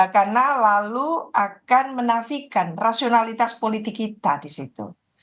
karena lalu akan menafikan rasionalitas politik kita di situ